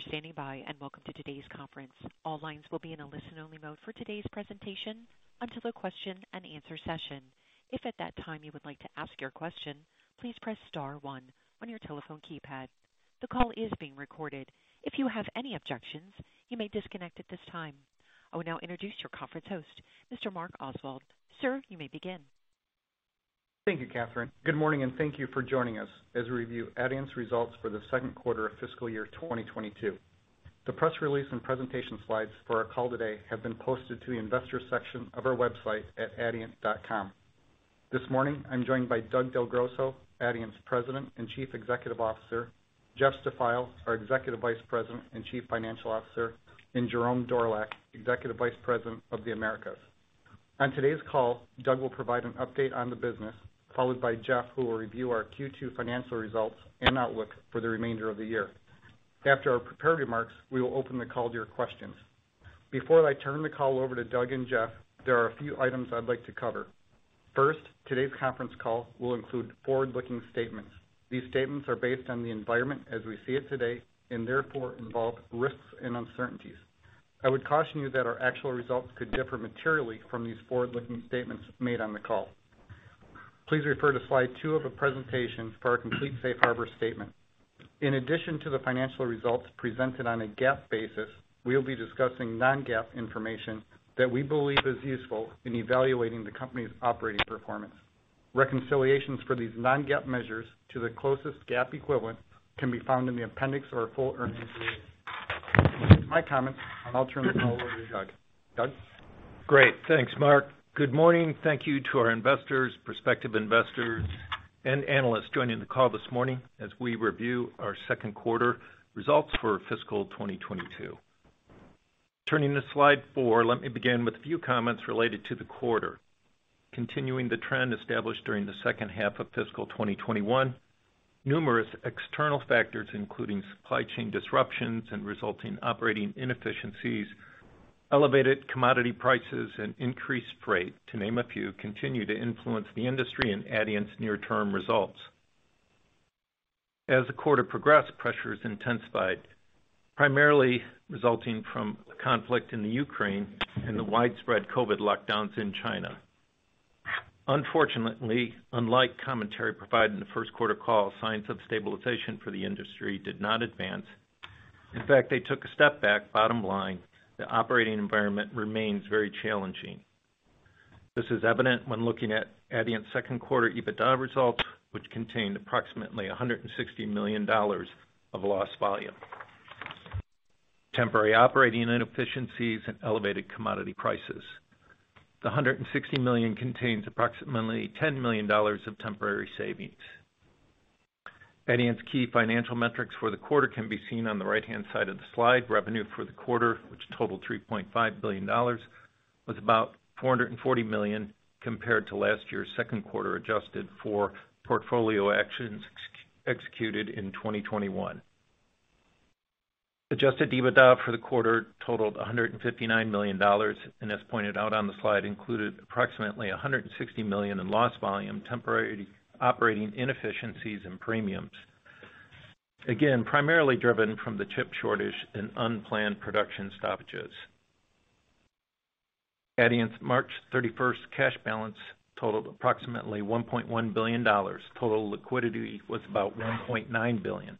Thank you for standing by, and welcome to today's conference. All lines will be in a listen-only mode for today's presentation until the question-and-answer session. If at that time you would like to ask your question, please press star one on your telephone keypad. The call is being recorded. If you have any objections, you may disconnect at this time. I will now introduce your conference host, Mr. Mark Oswald. Sir, you may begin. Thank you, Catherine. Good morning, and thank you for joining us as we review Adient's results for the second quarter of fiscal year 2022. The press release and presentation slides for our call today have been posted to the investor section of our website at adient.com. This morning, I'm joined by Doug DelGrosso, Adient's President and Chief Executive Officer, Jeff Stafeil, our Executive Vice President and Chief Financial Officer, and Jerome Dorlack, Executive Vice President of the Americas. On today's call, Doug will provide an update on the business, followed by Jeff, who will review our Q2 financial results and outlook for the remainder of the year. After our prepared remarks, we will open the call to your questions. Before I turn the call over to Doug and Jeff, there are a few items I'd like to cover. First, today's conference call will include forward-looking statements. These statements are based on the environment as we see it today and therefore involve risks and uncertainties. I would caution you that our actual results could differ materially from these forward-looking statements made on the call. Please refer to slide two of the presentation for our complete safe harbor statement. In addition to the financial results presented on a GAAP basis, we'll be discussing non-GAAP information that we believe is useful in evaluating the company's operating performance. Reconciliations for these non-GAAP measures to the closest GAAP equivalent can be found in the appendix of our full earnings release. Those are my comments, and I'll turn the call over to Doug. Doug? Great. Thanks, Mark. Good morning. Thank you to our investors, prospective investors, and analysts joining the call this morning as we review our second quarter results for fiscal 2022. Turning to slide four, let me begin with a few comments related to the quarter. Continuing the trend established during the second half of fiscal 2021, numerous external factors, including supply chain disruptions and resulting operating inefficiencies, elevated commodity prices, and increased freight, to name a few, continue to influence the industry and Adient's near-term results. As the quarter progressed, pressures intensified, primarily resulting from the conflict in the Ukraine and the widespread COVID lockdowns in China. Unfortunately, unlike commentary provided in the first quarter call, signs of stabilization for the industry did not advance. In fact, they took a step back. Bottom line, the operating environment remains very challenging. This is evident when looking at Adient's second quarter EBITDA results, which contained approximately $160 million of lost volume, temporary operating inefficiencies, and elevated commodity prices. The $160 million contains approximately $10 million of temporary savings. Adient's key financial metrics for the quarter can be seen on the right-hand side of the slide. Revenue for the quarter, which totaled $3.5 billion, was about $440 million compared to last year's second quarter, adjusted for portfolio actions executed in 2021. Adjusted EBITDA for the quarter totaled $159 million, and as pointed out on the slide, included approximately $160 million in lost volume, temporary operating inefficiencies, and premiums. Again, primarily driven from the chip shortage and unplanned production stoppages. Adient's March 31 cash balance totaled approximately $1.1 billion. Total liquidity was about $1.9 billion.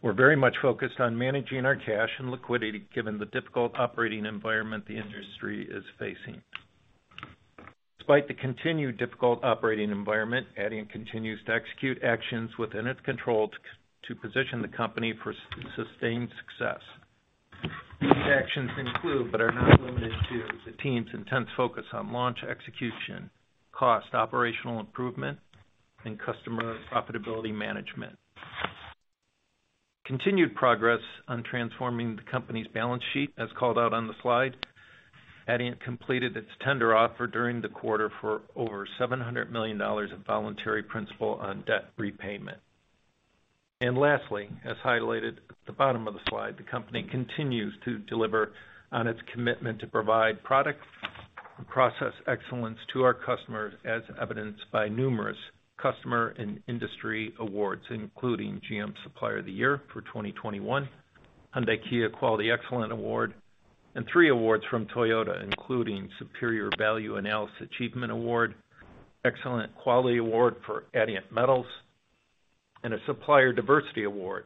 We're very much focused on managing our cash and liquidity given the difficult operating environment the industry is facing. Despite the continued difficult operating environment, Adient continues to execute actions within its control to position the company for sustained success. These actions include, but are not limited to, the team's intense focus on launch execution, cost and operational improvement, and customer profitability management. Continued progress on transforming the company's balance sheet, as called out on the slide. Adient completed its tender offer during the quarter for over $700 million of voluntary principal on debt repayment. Lastly, as highlighted at the bottom of the slide, the company continues to deliver on its commitment to provide product and process excellence to our customers, as evidenced by numerous customer and industry awards, including GM Supplier of the Year for 2021, Hyundai/Kia Quality Excellence Award, and three awards from Toyota, including Superior Value Analysis Achievement Award, Excellent Quality Award for Adient Metals, and a Supplier Diversity Award.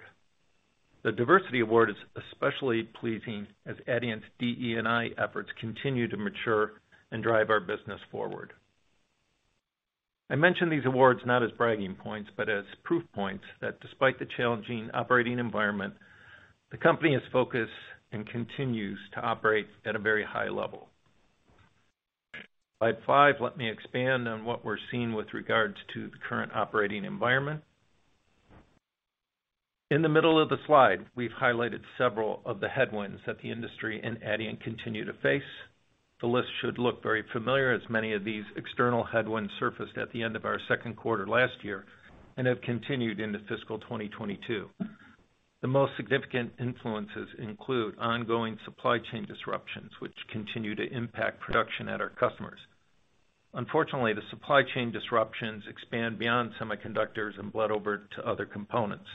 The Diversity Award is especially pleasing as Adient's DE&I efforts continue to mature and drive our business forward. I mention these awards not as bragging points, but as proof points that despite the challenging operating environment, the company is focused and continues to operate at a very high level. Slide five, let me expand on what we're seeing with regards to the current operating environment. In the middle of the slide, we've highlighted several of the headwinds that the industry and Adient continue to face. The list should look very familiar as many of these external headwinds surfaced at the end of our second quarter last year and have continued into fiscal 2022. The most significant influences include ongoing supply chain disruptions, which continue to impact production at our customers. Unfortunately, the supply chain disruptions expand beyond semiconductors and bled over to other components.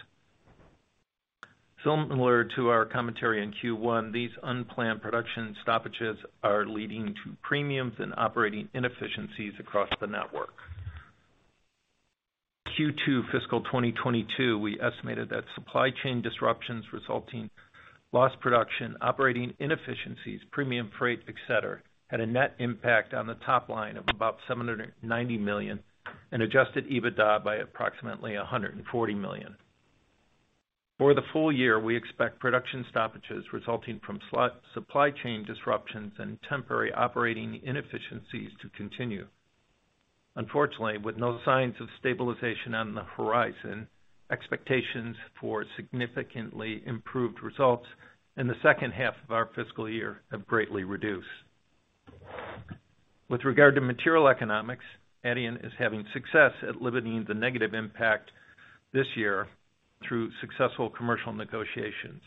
Similar to our commentary in Q1, these unplanned production stoppages are leading to premiums and operating inefficiencies across the network. Q2 fiscal 2022, we estimated that supply chain disruptions resulting lost production, operating inefficiencies, premium freight, et cetera, had a net impact on the top line of about $790 million and adjusted EBITDA by approximately $140 million. For the full year, we expect production stoppages resulting from supply chain disruptions and temporary operating inefficiencies to continue. Unfortunately, with no signs of stabilization on the horizon, expectations for significantly improved results in the second half of our fiscal year have greatly reduced. With regard to material economics, Adient is having success at limiting the negative impact this year through successful commercial negotiations,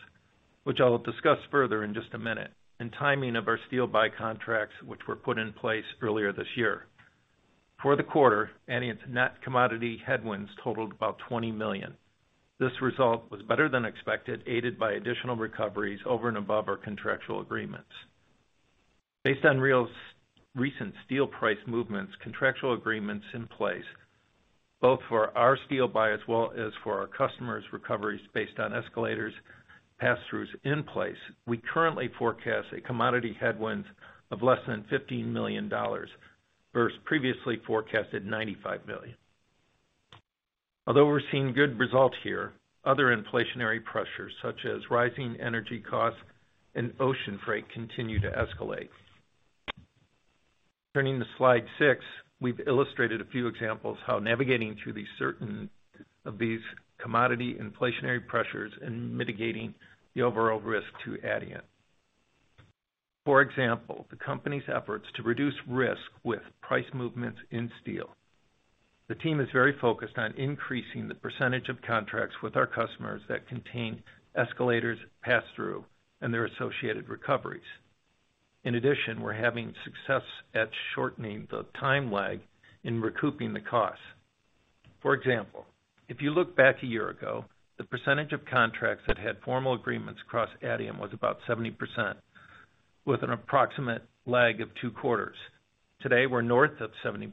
which I'll discuss further in just a minute, and timing of our steel buy contracts, which were put in place earlier this year. For the quarter, Adient's net commodity headwinds totaled about $20 million. This result was better than expected, aided by additional recoveries over and above our contractual agreements. Based on recent steel price movements, contractual agreements in place, both for our steel buy as well as for our customers' recoveries based on escalator pass-throughs in place, we currently forecast a commodity headwind of less than $15 million, versus previously forecasted $95 million. Although we're seeing good results here, other inflationary pressures, such as rising energy costs and ocean freight, continue to escalate. Turning to slide six, we've illustrated a few examples of how navigating through these commodity inflationary pressures and mitigating the overall risk to Adient. For example, the company's efforts to reduce risk with price movements in steel. The team is very focused on increasing the percentage of contracts with our customers that contain escalator pass-throughs and their associated recoveries. In addition, we're having success at shortening the time lag in recouping the costs. For example, if you look back a year ago, the percentage of contracts that had formal agreements across Adient was about 70%, with an approximate lag of two quarters. Today, we're north of 70%.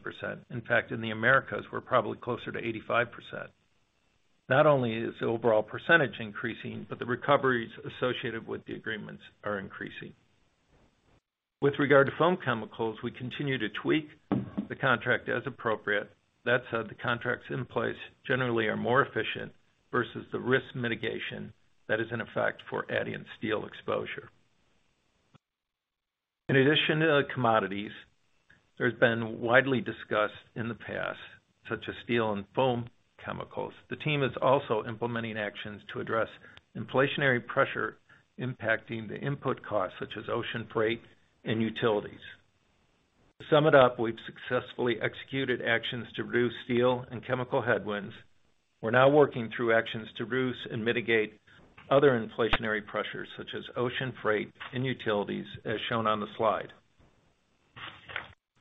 In fact, in the Americas, we're probably closer to 85%. Not only is the overall percentage increasing, but the recoveries associated with the agreements are increasing. With regard to foam chemicals, we continue to tweak the contract as appropriate. That said, the contracts in place generally are more efficient versus the risk mitigation that is in effect for Adient steel exposure. In addition to the commodities, there's been widely discussed in the past, such as steel and foam chemicals. The team is also implementing actions to address inflationary pressure impacting the input cost, such as ocean freight and utilities. To sum it up, we've successfully executed actions to reduce steel and chemical headwinds. We're now working through actions to reduce and mitigate other inflationary pressures, such as ocean freight and utilities, as shown on the slide.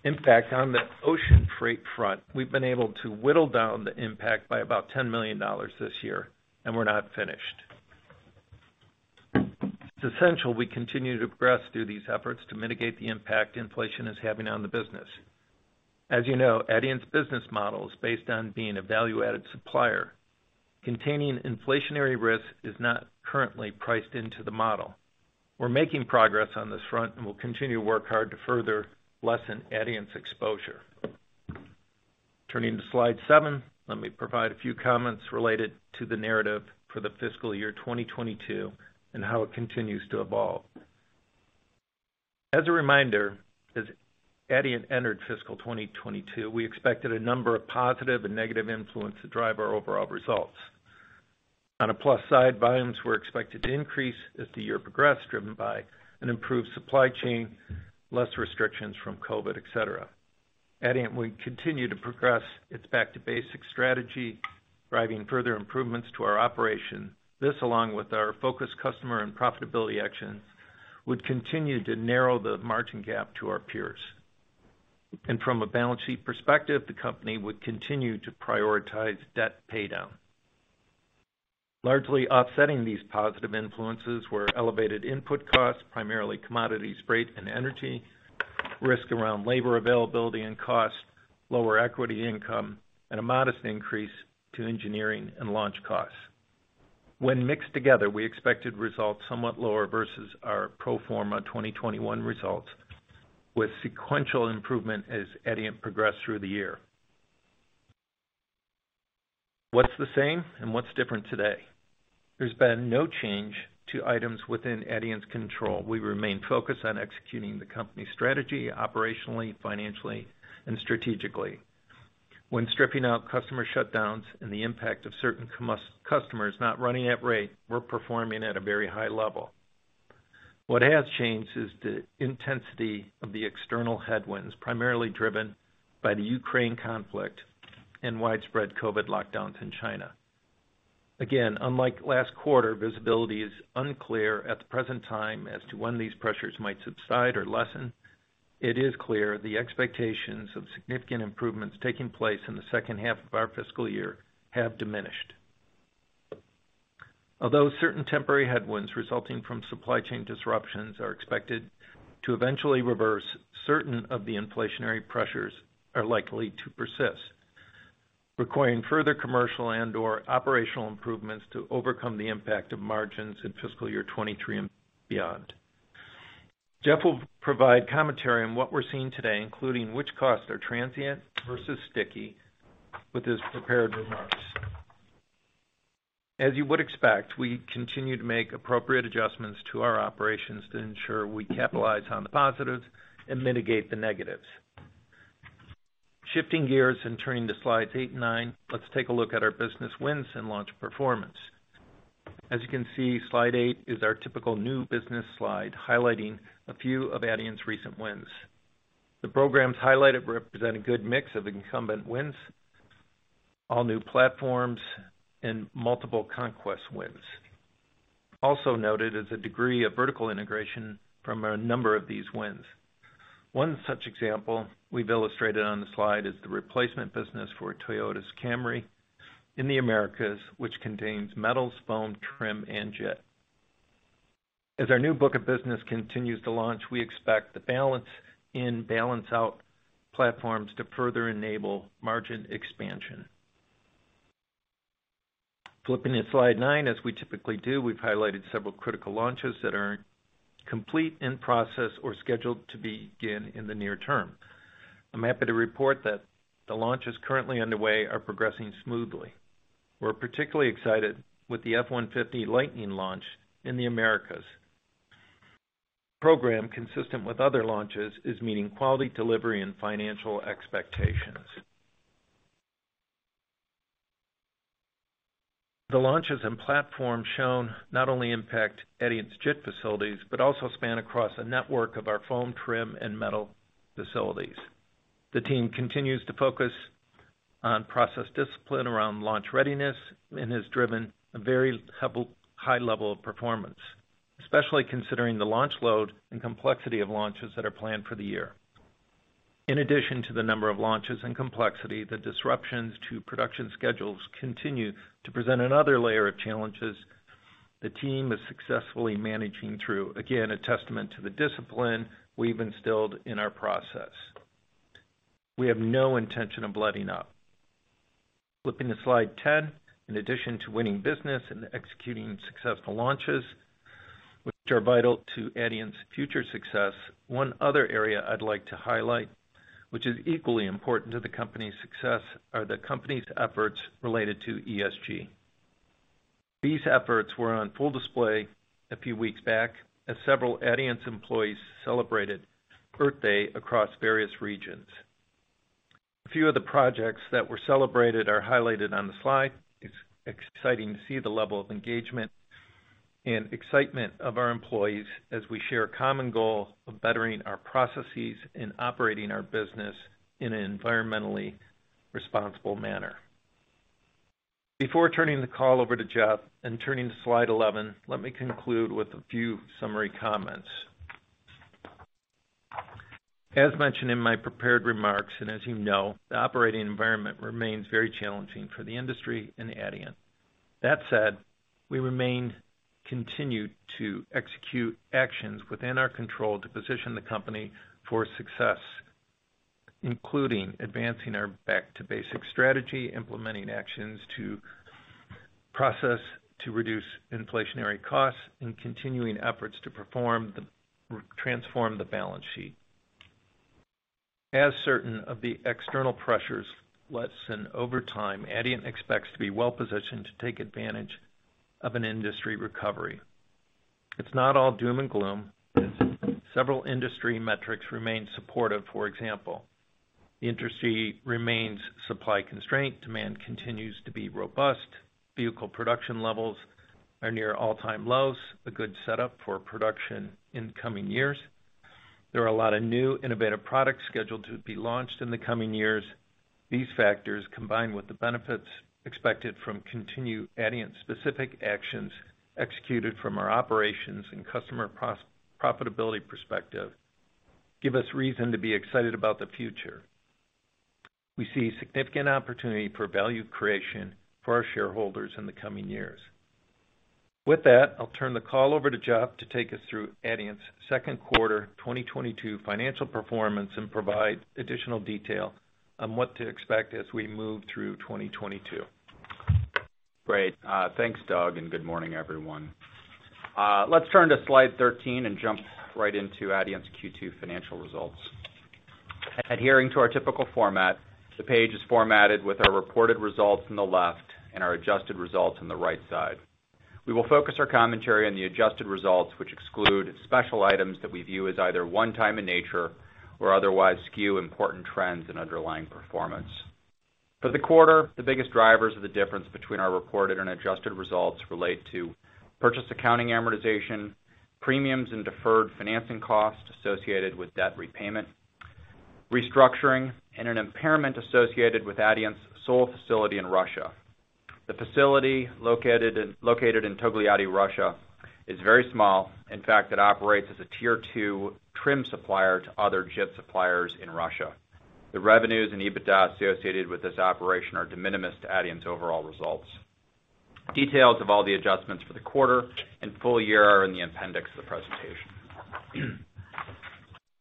In fact, on the ocean freight front, we've been able to whittle down the impact by about $10 million this year, and we're not finished. It's essential we continue to progress through these efforts to mitigate the impact inflation is having on the business. As you know, Adient's business model is based on being a value-added supplier. Containing inflationary risk is not currently priced into the model. We're making progress on this front, and we'll continue to work hard to further lessen Adient's exposure. Turning to slide seven, let me provide a few comments related to the narrative for the fiscal year 2022 and how it continues to evolve. As a reminder, as Adient entered fiscal 2022, we expected a number of positive and negative influences to drive our overall results. On a plus side, volumes were expected to increase as the year progressed, driven by an improved supply chain, less restrictions from COVID, et cetera. Adient would continue to progress its back-to-basics strategy, driving further improvements to our operations. This, along with our focus on customer and profitability actions, would continue to narrow the margin gap to our peers. From a balance sheet perspective, the company would continue to prioritize debt paydown. Largely offsetting these positive influences were elevated input costs, primarily commodities, freight and energy, risk around labor availability and cost, lower equity income, and a modest increase to engineering and launch costs. When mixed together, we expected results somewhat lower versus our pro forma 2021 results, with sequential improvement as Adient progressed through the year. What's the same and what's different today? There's been no change to items within Adient's control. We remain focused on executing the company strategy operationally, financially, and strategically. When stripping out customer shutdowns and the impact of certain customers not running at rate, we're performing at a very high level. What has changed is the intensity of the external headwinds, primarily driven by the Ukraine conflict and widespread COVID lockdowns in China. Again, unlike last quarter, visibility is unclear at the present time as to when these pressures might subside or lessen. It is clear the expectations of significant improvements taking place in the second half of our fiscal year have diminished. Although certain temporary headwinds resulting from supply chain disruptions are expected to eventually reverse, certain of the inflationary pressures are likely to persist, requiring further commercial and/or operational improvements to overcome the impact on margins in fiscal year 2023 and beyond. Jeff will provide commentary on what we're seeing today, including which costs are transient versus sticky with his prepared remarks. As you would expect, we continue to make appropriate adjustments to our operations to ensure we capitalize on the positives and mitigate the negatives. Shifting gears and turning to slides eight and nine, let's take a look at our business wins and launch performance. As you can see, slide eight is our typical new business slide, highlighting a few of Adient's recent wins. The programs highlighted represent a good mix of incumbent wins, all new platforms, and multiple conquest wins. Also noted is a degree of vertical integration from a number of these wins. One such example we've illustrated on the slide is the replacement business for Toyota's Camry in the Americas, which contains metals, foam, trim, and JIT. As our new book of business continues to launch, we expect the balanced-in, balanced-out platforms to further enable margin expansion. Flipping to slide nine, as we typically do, we've highlighted several critical launches that are complete, in process, or scheduled to begin in the near term. I'm happy to report that the launches currently underway are progressing smoothly. We're particularly excited with the F-150 Lightning launch in the Americas. The program, consistent with other launches, is meeting quality delivery and financial expectations. The launches and platforms shown not only impact Adient's JIT facilities, but also span across a network of our foam, trim, and metal facilities. The team continues to focus on process discipline around launch readiness and has driven a high level of performance, especially considering the launch load and complexity of launches that are planned for the year. In addition to the number of launches and complexity, the disruptions to production schedules continue to present another layer of challenges the team is successfully managing through. Again, a testament to the discipline we've instilled in our process. We have no intention of letting up. Flipping to slide 10. In addition to winning business and executing successful launches, which are vital to Adient's future success, one other area I'd like to highlight, which is equally important to the company's success, are the company's efforts related to ESG. These efforts were on full display a few weeks back as several Adient's employees celebrated Earth Day across various regions. A few of the projects that were celebrated are highlighted on the slide. It's exciting to see the level of engagement and excitement of our employees as we share a common goal of bettering our processes and operating our business in an environmentally responsible manner. Before turning the call over to Jeff and turning to slide 11, let me conclude with a few summary comments. As mentioned in my prepared remarks, and as you know, the operating environment remains very challenging for the industry and Adient. That said, we remain committed to execute actions within our control to position the company for success, including advancing our back-to-basics strategy, implementing actions to reduce inflationary costs, and continuing efforts to transform the balance sheet. As certain of the external pressures lessen over time, Adient expects to be well positioned to take advantage of an industry recovery. It's not all doom and gloom. Several industry metrics remain supportive. For example, the industry remains supply constrained. Demand continues to be robust. Vehicle production levels are near all-time lows, a good setup for production in the coming years. There are a lot of new innovative products scheduled to be launched in the coming years. These factors, combined with the benefits expected from continued Adient specific actions executed from our operations and customer profitability perspective, give us reason to be excited about the future. We see significant opportunity for value creation for our shareholders in the coming years. With that, I'll turn the call over to Jeff to take us through Adient's second quarter 2022 financial performance and provide additional detail on what to expect as we move through 2022. Great. Thanks, Doug, and good morning, everyone. Let's turn to slide 13 and jump right into Adient's Q2 financial results. Adhering to our typical format, the page is formatted with our reported results on the left and our adjusted results on the right side. We will focus our commentary on the adjusted results, which exclude special items that we view as either one-time in nature or otherwise skew important trends and underlying performance. For the quarter, the biggest drivers of the difference between our reported and adjusted results relate to purchase accounting amortization, premiums and deferred financing costs associated with debt repayment, restructuring and an impairment associated with Adient's sole facility in Russia. The facility, located in Togliatti, Russia, is very small. In fact, it operates as a Tier two trim supplier to other JIT suppliers in Russia. The revenues and EBITDA associated with this operation are de minimis to Adient's overall results. Details of all the adjustments for the quarter and full-year are in the appendix of the presentation.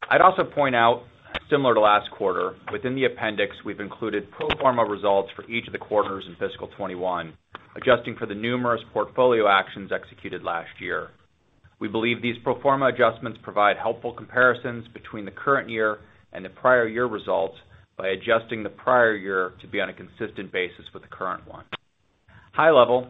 I'd also point out, similar to last quarter, within the appendix, we've included pro forma results for each of the quarters in fiscal 2021, adjusting for the numerous portfolio actions executed last year. We believe these pro forma adjustments provide helpful comparisons between the current year and the prior year results by adjusting the prior year to be on a consistent basis with the current one. High level,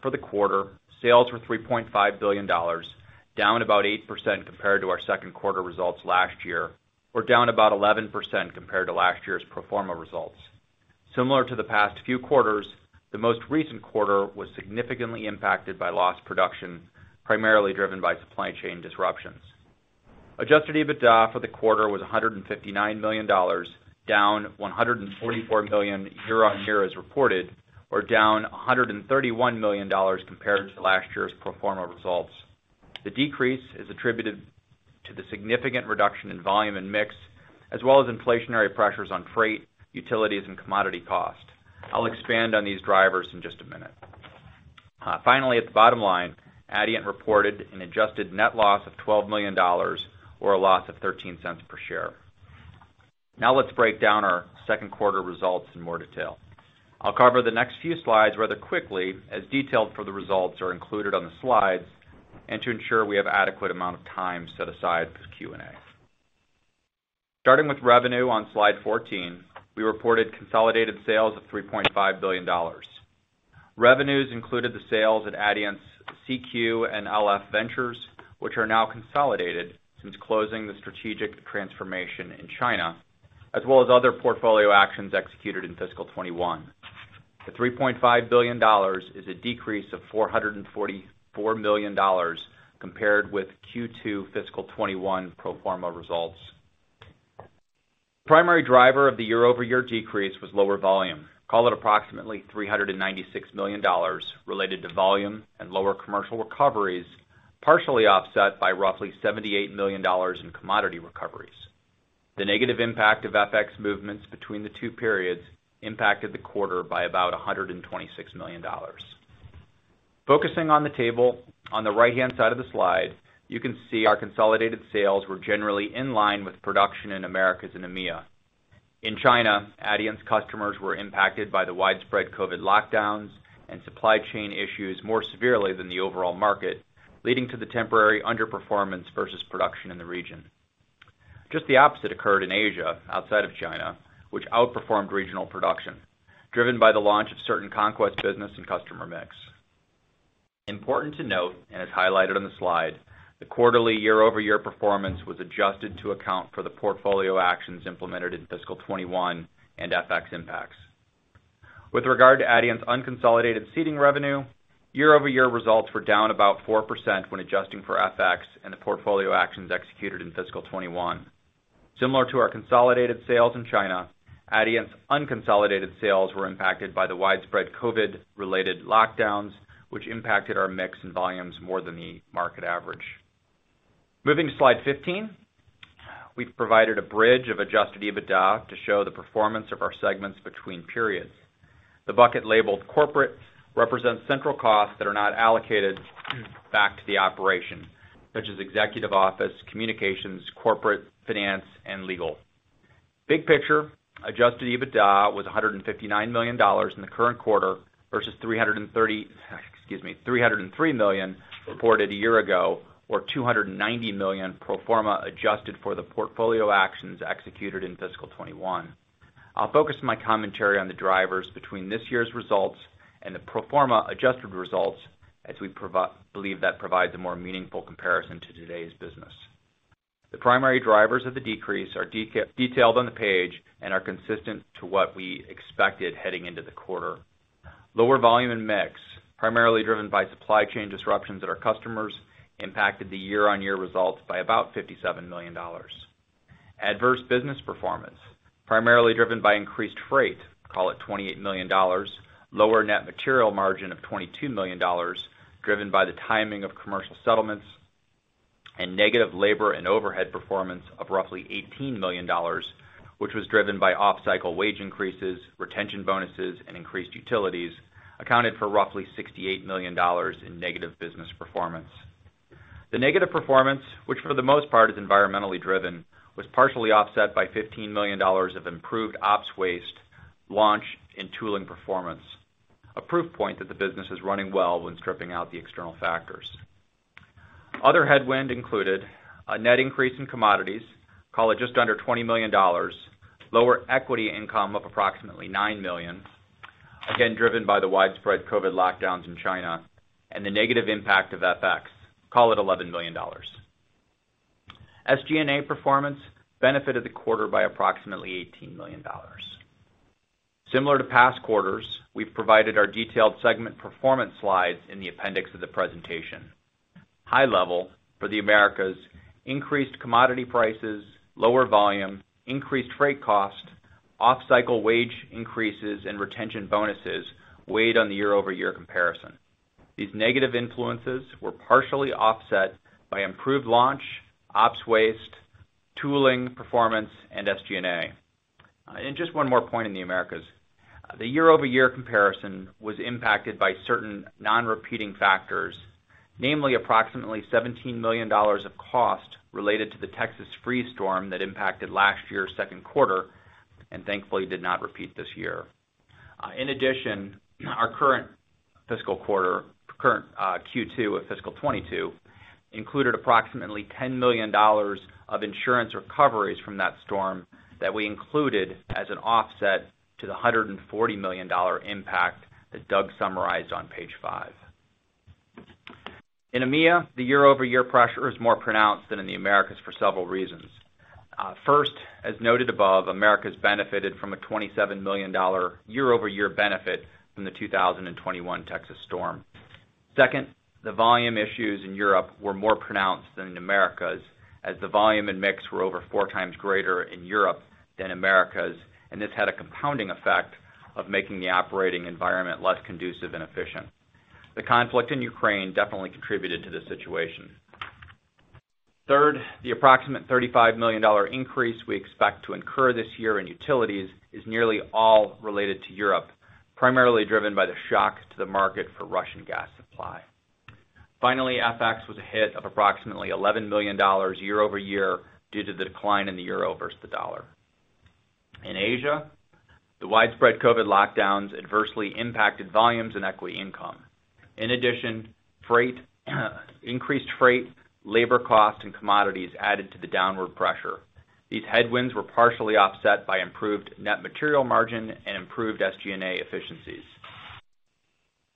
for the quarter, sales were $3.5 billion, down about 8% compared to our second quarter results last year, or down about 11% compared to last year's pro forma results. Similar to the past few quarters, the most recent quarter was significantly impacted by lost production, primarily driven by supply chain disruptions. Adjusted EBITDA for the quarter was $159 million, down $144 million year-on-year as reported, or down $131 million compared to last year's pro forma results. The decrease is attributed to the significant reduction in volume and mix, as well as inflationary pressures on freight, utilities, and commodity cost. I'll expand on these drivers in just a minute. Finally, at the bottom line, Adient reported an adjusted net loss of $12 million or a loss of $0.13 per share. Now let's break down our second quarter results in more detail. I'll cover the next few slides rather quickly as details for the results are included on the slides and to ensure we have adequate amount of time set aside for Q&A. Starting with revenue on slide 14, we reported consolidated sales of $3.5 billion. Revenues included the sales at Adient's CQ and LF ventures, which are now consolidated since closing the strategic transformation in China, as well as other portfolio actions executed in fiscal 2021. The $3.5 billion is a decrease of $444 million compared with Q2 fiscal 2021 pro forma results. Primary driver of the year-over-year decrease was lower volume, call it approximately $396 million related to volume and lower commercial recoveries, partially offset by roughly $78 million in commodity recoveries. The negative impact of FX movements between the two periods impacted the quarter by about $126 million. Focusing on the table on the right-hand side of the slide, you can see our consolidated sales were generally in line with production in Americas and EMEA. In China, Adient's customers were impacted by the widespread COVID lockdowns and supply chain issues more severely than the overall market, leading to the temporary underperformance versus production in the region. Just the opposite occurred in Asia, outside of China, which outperformed regional production, driven by the launch of certain conquest business and customer mix. Important to note, and as highlighted on the slide, the quarterly year-over-year performance was adjusted to account for the portfolio actions implemented in fiscal 2021 and FX impacts. With regard to Adient's unconsolidated seating revenue, year-over-year results were down about 4% when adjusting for FX and the portfolio actions executed in fiscal 2021. Similar to our consolidated sales in China, Adient's unconsolidated sales were impacted by the widespread COVID-related lockdowns, which impacted our mix and volumes more than the market average. Moving to slide 15, we've provided a bridge of adjusted EBITDA to show the performance of our segments between periods. The bucket labeled corporate represents central costs that are not allocated back to the operation, such as executive office, communications, corporate, finance, and legal. Big picture, adjusted EBITDA was $159 million in the current quarter versus $303 million reported a year ago or $290 million pro forma adjusted for the portfolio actions executed in fiscal 2021. I'll focus my commentary on the drivers between this year's results and the pro forma adjusted results as we believe that provides a more meaningful comparison to today's business. The primary drivers of the decrease are detailed on the page and are consistent to what we expected heading into the quarter. Lower volume and mix, primarily driven by supply chain disruptions at our customers, impacted the year-on-year results by about $57 million. Adverse business performance, primarily driven by increased freight, call it $28 million, lower net material margin of $22 million driven by the timing of commercial settlements, and negative labor and overhead performance of roughly $18 million, which was driven by off-cycle wage increases, retention bonuses, and increased utilities accounted for roughly $68 million in negative business performance. The negative performance, which for the most part is externally driven, was partially offset by $15 million of improved ops waste, launch, and tooling performance. A proof point that the business is running well when stripping out the external factors. Other headwinds included a net increase in commodities, call it just under $20 million, lower equity income of approximately $9 million, again, driven by the widespread COVID lockdowns in China and the negative impact of FX, call it $11 million. SG&A performance benefited the quarter by approximately $18 million. Similar to past quarters, we've provided our detailed segment performance slides in the appendix of the presentation. High-level, for the Americas, increased commodity prices, lower volume, increased freight cost, off-cycle wage increases, and retention bonuses weighed on the year-over-year comparison. These negative influences were partially offset by improved launch, ops waste, tooling performance, and SG&A. Just one more point in the Americas. The year-over-year comparison was impacted by certain non-repeating factors, namely approximately $17 million of cost related to the Texas freeze storm that impacted last year's second quarter, and thankfully did not repeat this year. In addition, our current fiscal quarter, Q2 of fiscal 2022, included approximately $10 million of insurance recoveries from that storm that we included as an offset to the $140 million impact that Doug summarized on page five. In EMEA, the year-over-year pressure is more pronounced than in the Americas for several reasons. First, as noted above, Americas benefited from a $27 million year-over-year benefit from the 2021 Texas storm. Second, the volume issues in Europe were more pronounced than in Americas, as the volume and mix were over 4x greater in Europe than Americas, and this had a compounding effect of making the operating environment less conducive and efficient. The conflict in Ukraine definitely contributed to this situation. Third, the approximate $35 million increase we expect to incur this year in utilities is nearly all related to Europe, primarily driven by the shock to the market for Russian gas supply. Finally, FX was a hit of approximately $11 million year-over-year due to the decline in the euro versus the dollar. In Asia, the widespread COVID lockdowns adversely impacted volumes and equity income. In addition, increased freight, labor costs, and commodities added to the downward pressure. These headwinds were partially offset by improved net material margin and improved SG&A efficiencies.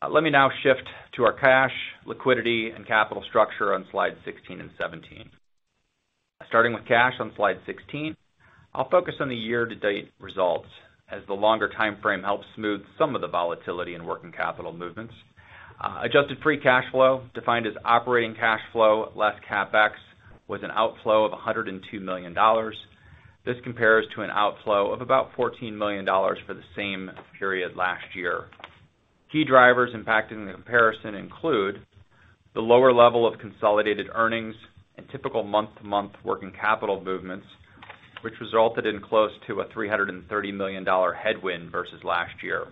Let me now shift to our cash, liquidity, and capital structure on slide 16 and 17. Starting with cash on slide 16, I'll focus on the year-to-date results as the longer timeframe helps smooth some of the volatility in working capital movements. Adjusted free cash flow defined as operating cash flow less CapEx was an outflow of $102 million. This compares to an outflow of about $14 million for the same period last year. Key drivers impacting the comparison include the lower level of consolidated earnings and typical month-to-month working capital movements, which resulted in close to a $330 million headwind versus last year.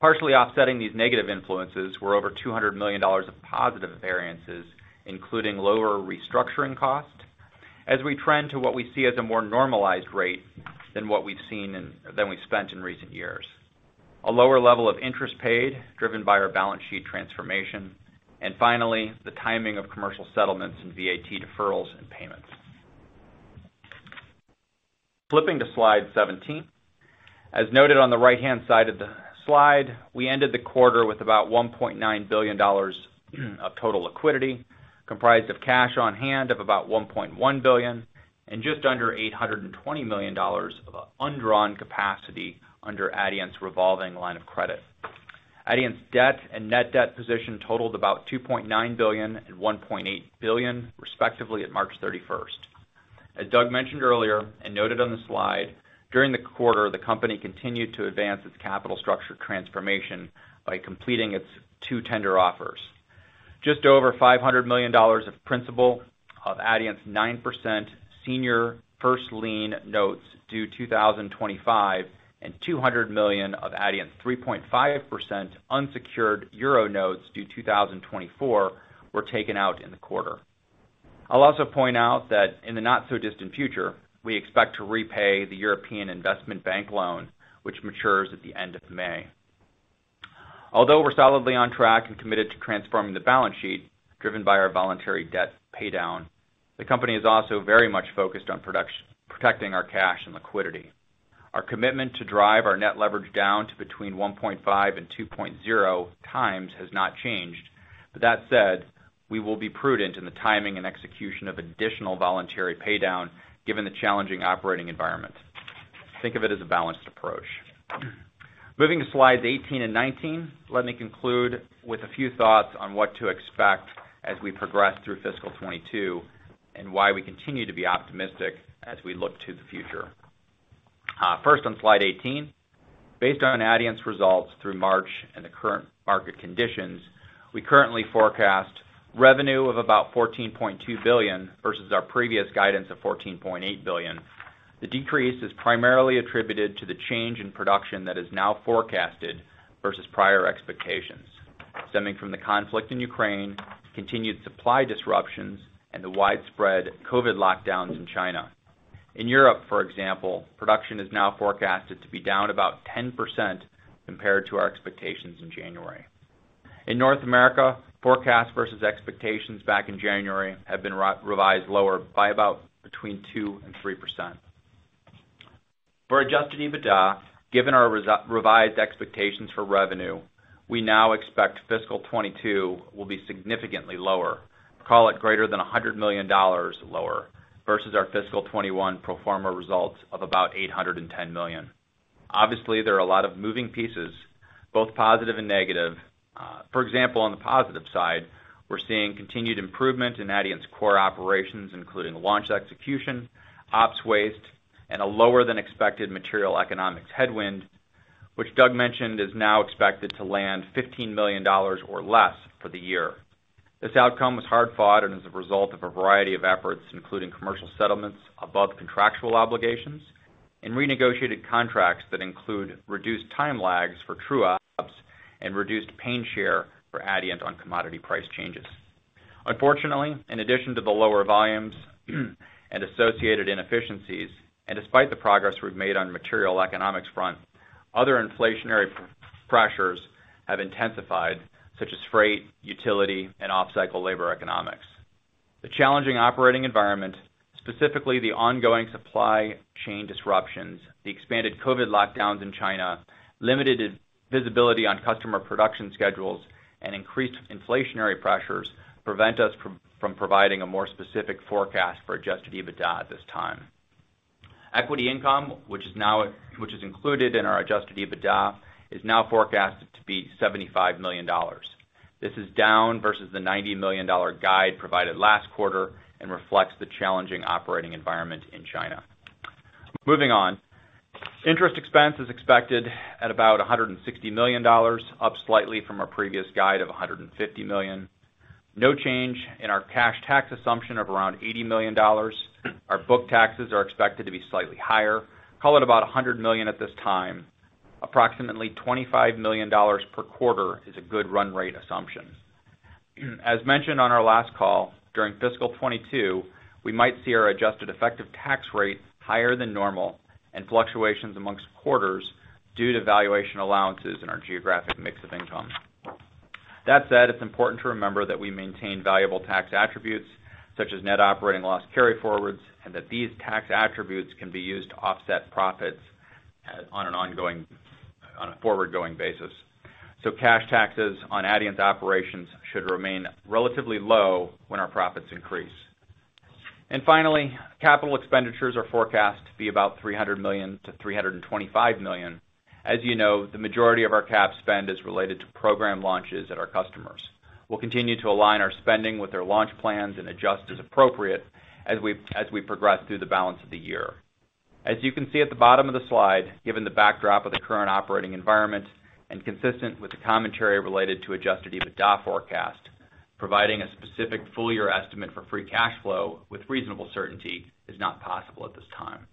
Partially offsetting these negative influences were over $200 million of positive variances, including lower restructuring costs, as we trend to what we see as a more normalized rate than what we spent in recent years. A lower level of interest paid, driven by our balance sheet transformation. Finally, the timing of commercial settlements and VAT deferrals and payments. Flipping to slide 17. As noted on the right-hand side of the slide, we ended the quarter with about $1.9 billion of total liquidity, comprised of cash on hand of about $1.1 billion and just under $820 million of undrawn capacity under Adient's revolving line of credit. Adient's debt and net debt position totaled about $2.9 billion and $1.8 billion, respectively at March 31. As Doug mentioned earlier and noted on the slide, during the quarter, the company continued to advance its capital structure transformation by completing its two tender offers. Just over $500 million of principal of Adient's 9% senior first lien notes due 2025, and 200 million of Adient's 3.5% unsecured euro notes due 2024 were taken out in the quarter. I'll also point out that in the not-so-distant future, we expect to repay the European Investment Bank loan, which matures at the end of May. Although we're solidly on track and committed to transforming the balance sheet, driven by our voluntary debt pay down, the company is also very much focused on production, protecting our cash and liquidity. Our commitment to drive our net leverage down to between 1.5x and 2.0x has not changed. That said, we will be prudent in the timing and execution of additional voluntary pay down given the challenging operating environment. Think of it as a balanced approach. Moving to slides 18 and 19, let me conclude with a few thoughts on what to expect as we progress through fiscal 2022 and why we continue to be optimistic as we look to the future. First on slide 18. Based on Adient's results through March and the current market conditions, we currently forecast revenue of about $14.2 billion versus our previous guidance of $14.8 billion. The decrease is primarily attributed to the change in production that is now forecasted versus prior expectations, stemming from the conflict in Ukraine, continued supply disruptions, and the widespread COVID lockdowns in China. In Europe, for example, production is now forecasted to be down about 10% compared to our expectations in January. In North America, forecast versus expectations back in January have been revised lower by about between 2% and 3%. For adjusted EBITDA, given our revised expectations for revenue, we now expect fiscal 2022 will be significantly lower. Call it greater than $100 million lower versus our fiscal 2021 pro forma results of about $810 million. Obviously, there are a lot of moving pieces, both positive and negative. For example, on the positive side, we're seeing continued improvement in Adient's core operations, including launch execution, ops waste, and a lower than expected material economics headwind, which Doug mentioned is now expected to land $15 million or less for the year. This outcome was hard fought and is a result of a variety of efforts, including commercial settlements above contractual obligations and renegotiated contracts that include reduced time lags for true ups and reduced pain share for Adient on commodity price changes. Unfortunately, in addition to the lower volumes and associated inefficiencies, and despite the progress we've made on material economics front, other inflationary pressures have intensified, such as freight, utility, and off-cycle labor economics. The challenging operating environment, specifically the ongoing supply chain disruptions, the expanded COVID lockdowns in China, limited visibility on customer production schedules, and increased inflationary pressures prevent us from providing a more specific forecast for adjusted EBITDA at this time. Equity income, which is included in our adjusted EBITDA, is now forecasted to be $75 million. This is down versus the $90 million guide provided last quarter and reflects the challenging operating environment in China. Moving on. Interest expense is expected at about $160 million, up slightly from our previous guide of $150 million. No change in our cash tax assumption of around $80 million. Our book taxes are expected to be slightly higher, call it about $100 million at this time. Approximately $25 million per quarter is a good run rate assumption. As mentioned on our last call, during fiscal 2022, we might see our adjusted effective tax rate higher than normal and fluctuations among quarters due to valuation allowances in our geographic mix of income. That said, it's important to remember that we maintain valuable tax attributes such as net operating loss carryforwards, and that these tax attributes can be used to offset profits on a forward-going basis. Cash taxes on Adient's operations should remain relatively low when our profits increase. Finally, capital expenditures are forecast to be about $300 million-$325 million. As you know, the majority of our cap spend is related to program launches at our customers. We'll continue to align our spending with their launch plans and adjust as appropriate as we progress through the balance of the year. As you can see at the bottom of the slide, given the backdrop of the current operating environment and consistent with the commentary related to adjusted EBITDA forecast, providing a specific full-year estimate for free cash flow with reasonable certainty is not possible at this time.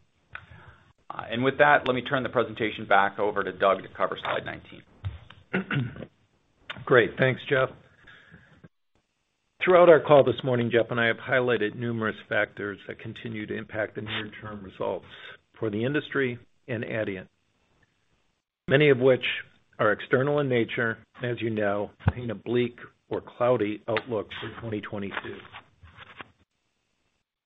With that, let me turn the presentation back over to Doug to cover slide 19. Great. Thanks, Jeff. Throughout our call this morning, Jeff and I have highlighted numerous factors that continue to impact the near-term results for the industry and Adient, many of which are external in nature, as you know, paint a bleak or cloudy outlook for 2022.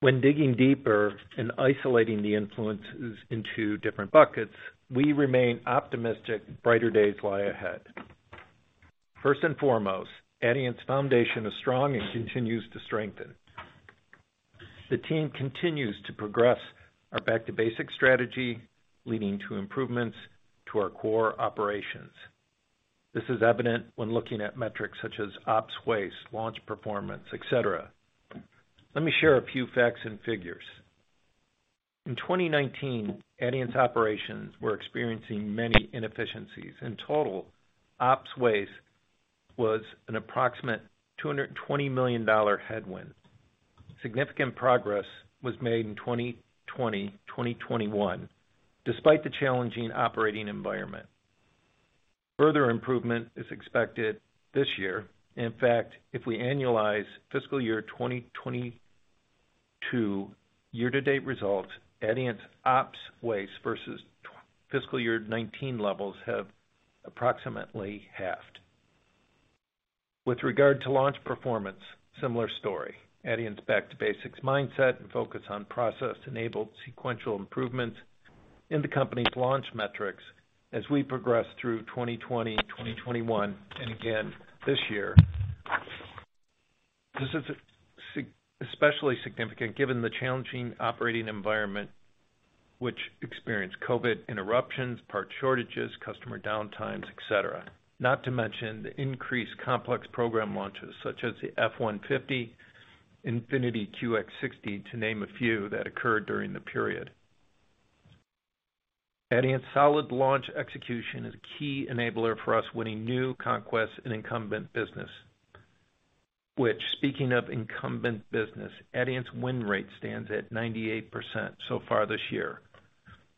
When digging deeper and isolating the influences into different buckets, we remain optimistic, brighter days lie ahead. First and foremost, Adient's foundation is strong and continues to strengthen. The team continues to progress our back-to-basics strategy, leading to improvements to our core operations. This is evident when looking at metrics such as ops waste, launch performance, et cetera. Let me share a few facts and figures. In 2019, Adient's operations were experiencing many inefficiencies. In total, ops waste was an approximate $220 million headwind. Significant progress was made in 2020, 2021, despite the challenging operating environment. Further improvement is expected this year. In fact, if we annualize fiscal year 2022 year-to-date results, Adient's ops waste versus fiscal year 2019 levels have approximately halved. With regard to launch performance, similar story. Adient's back to basics mindset and focus on process-enabled sequential improvements in the company's launch metrics as we progress through 2020, 2021, and again this year. This is especially significant given the challenging operating environment which experienced COVID interruptions, part shortages, customer downtimes, et cetera. Not to mention the increased complex program launches such as the F-150, Infiniti QX60, to name a few that occurred during the period. Adient's solid launch execution is a key enabler for us winning new conquests and incumbent business. Which speaking of incumbent business, Adient's win rate stands at 98% so far this year.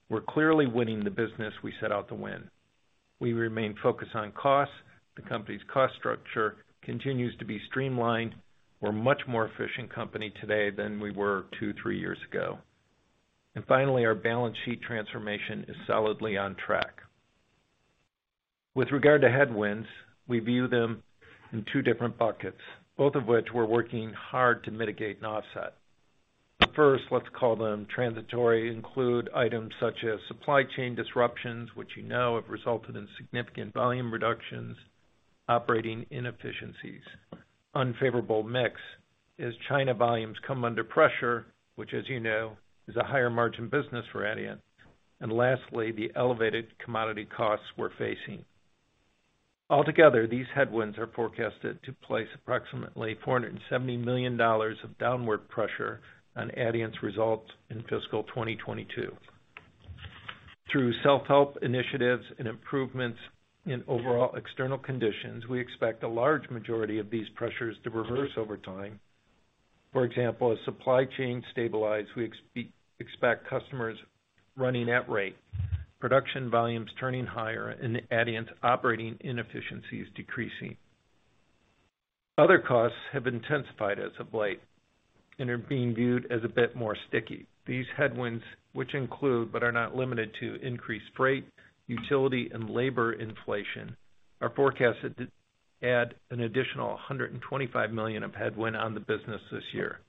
We're clearly winning the business we set out to win. We remain focused on cost. The company's cost structure continues to be streamlined. We're a much more efficient company today than we were two, three years ago. Finally, our balance sheet transformation is solidly on track. With regard to headwinds, we view them in two different buckets, both of which we're working hard to mitigate and offset. First, let's call them transitory. Include items such as supply chain disruptions, which you know have resulted in significant volume reductions, operating inefficiencies, unfavorable mix as China volumes come under pressure, which as you know, is a higher margin business for Adient. Lastly, the elevated commodity costs we're facing. Altogether, these headwinds are forecasted to place approximately $470 million of downward pressure on Adient's results in fiscal 2022. Through self-help initiatives and improvements in overall external conditions, we expect a large majority of these pressures to reverse over time. For example, as supply chain stabilize, we expect customers running at rate, production volumes turning higher and Adient's operating inefficiencies decreasing. Other costs have intensified as of late and are being viewed as a bit more sticky. These headwinds, which include but are not limited to increased freight, utility and labor inflation, are forecasted to add an additional $125 million of headwind on the business this year.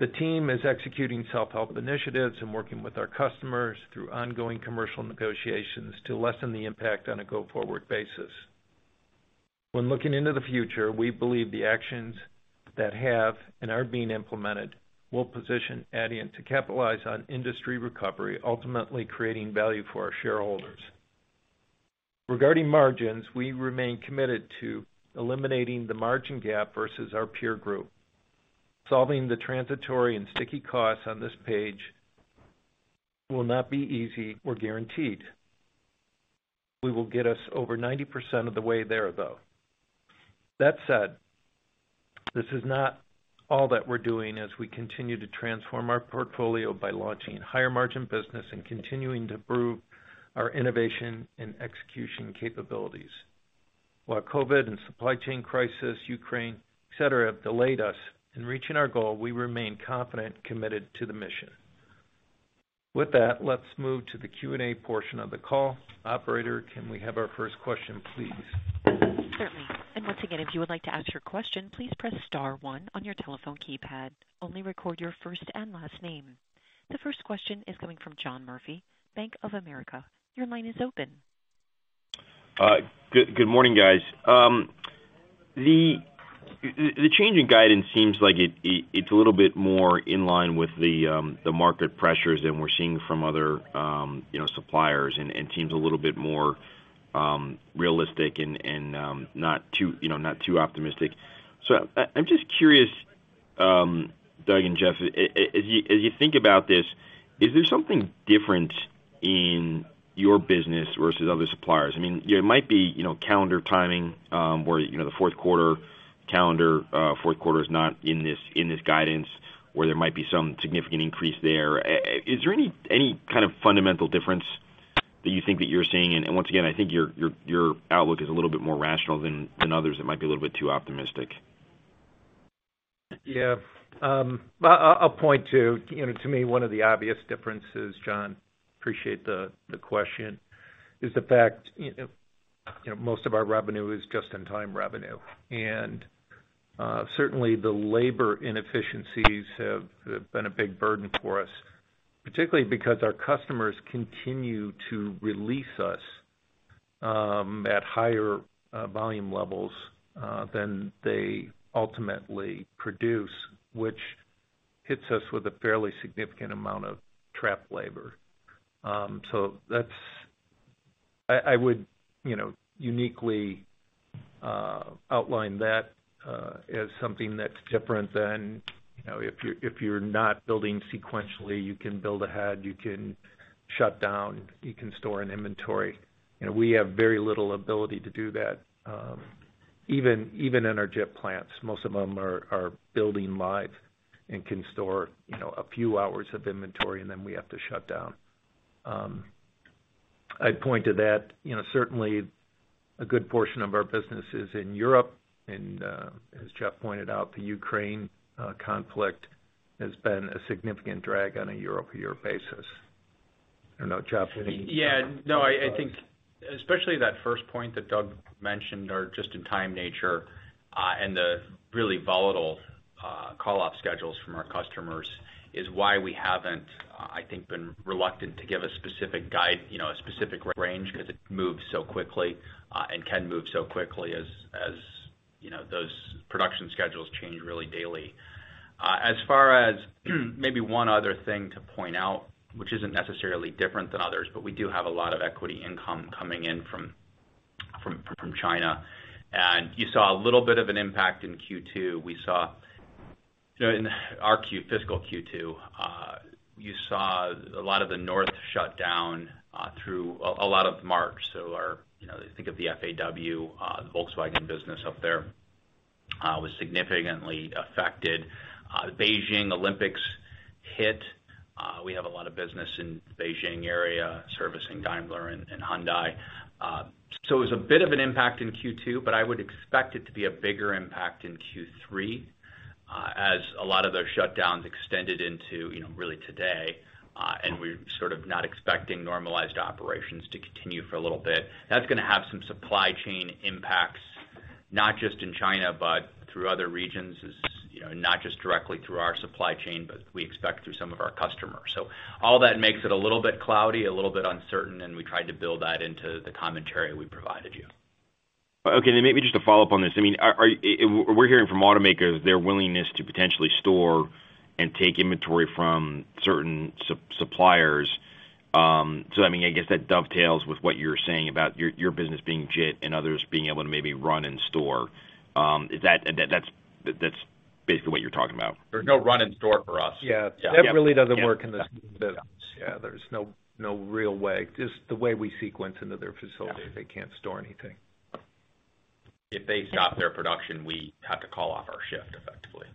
The team is executing self-help initiatives and working with our customers through ongoing commercial negotiations to lessen the impact on a go-forward basis. When looking into the future, we believe the actions that have and are being implemented will position Adient to capitalize on industry recovery, ultimately creating value for our shareholders. Regarding margins, we remain committed to eliminating the margin gap versus our peer group. Solving the transitory and sticky costs on this page will not be easy or guaranteed. We will get us over 90% of the way there, though. That said, this is not all that we're doing as we continue to transform our portfolio by launching higher margin business and continuing to improve our innovation and execution capabilities. While COVID and supply chain crisis, Ukraine, et cetera, have delayed us in reaching our goal, we remain confident, committed to the mission. With that, let's move to the Q&A portion of the call. Operator, can we have our first question, please? Certainly. Once again, if you would like to ask your question, please press star one on your telephone keypad. Only record your first and last name. The first question is coming from John Murphy, Bank of America. Your line is open. Good morning, guys. The change in guidance seems like it's a little bit more in line with the market pressures than we're seeing from other, you know, suppliers and seems a little bit more realistic and not too, you know, not too optimistic. I'm just curious, Doug and Jeff, as you think about this, is there something different in your business versus other suppliers? I mean, it might be, you know, calendar timing, where, you know, the fourth quarter calendar, fourth quarter is not in this guidance, where there might be some significant increase there. Is there any kind of fundamental difference that you think that you're seeing? Once again, I think your outlook is a little bit more rational than others that might be a little bit too optimistic. Yeah. I'll point to, you know, to me, one of the obvious differences, John, appreciate the question, is the fact, you know, most of our revenue is just in time revenue. Certainly the labor inefficiencies have been a big burden for us, particularly because our customers continue to release us at higher volume levels than they ultimately produce, which hits us with a fairly significant amount of trapped labor. I would, you know, uniquely outline that as something that's different than, you know, if you're not building sequentially, you can build ahead, you can shut down, you can store an inventory. You know, we have very little ability to do that, even in our JIT plants. Most of them are building live and can store, you know, a few hours of inventory, and then we have to shut down. I'd point to that. You know, certainly a good portion of our business is in Europe. As Jeff pointed out, the Ukraine conflict has been a significant drag on a year-over-year basis. I don't know, Jeff, anything. Yeah. No, I think especially that first point that Doug mentioned are just in time nature, and the really volatile, call-off schedules from our customers is why we haven't, I think been reluctant to give a specific guidance, you know, a specific range because it moves so quickly, and can move so quickly as, you know, those production schedules change really daily. As far as maybe one other thing to point out, which isn't necessarily different than others, but we do have a lot of equity income coming in from China. You saw a little bit of an impact in Q2. We saw in our fiscal Q2, you saw a lot of the North shut down through a lot of March. Our, you know, think of the FAW-Volkswagen business up there was significantly affected. The Beijing Olympics hit. We have a lot of business in Beijing area servicing Daimler and Hyundai. It was a bit of an impact in Q2, but I would expect it to be a bigger impact in Q3, as a lot of those shutdowns extended into, you know, really today. We're sort of not expecting normalized operations to continue for a little bit. That's gonna have some supply chain impacts, not just in China, but through other regions, as, you know, not just directly through our supply chain, but we expect through some of our customers. All that makes it a little bit cloudy, a little bit uncertain, and we tried to build that into the commentary we provided you. Okay. Maybe just to follow up on this. I mean, are we hearing from automakers their willingness to potentially store and take inventory from certain suppliers. I mean, I guess that dovetails with what you're saying about your business being JIT and others being able to maybe run in store. Is that that's basically what you're talking about? There's no run in store for us. Yeah. Yeah. That really doesn't work in this business. Yeah, there's no real way. Just the way we sequence into their facilities, they can't store anything. If they stop their production, we have to call off our shift effectively.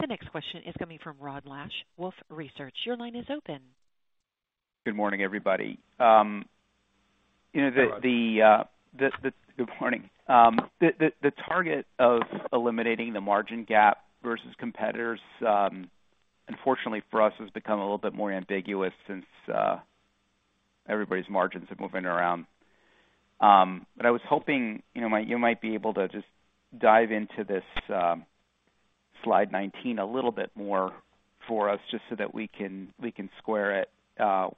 The next question is coming from Rod Lache, Wolfe Research. Your line is open. Good morning, everybody. You know, Hi, Rod. Good morning. The target of eliminating the margin gap versus competitors, unfortunately for us, has become a little bit more ambiguous since everybody's margins are moving around. But I was hoping, you know, you might be able to just dive into this slide 19 a little bit more for us just so that we can square it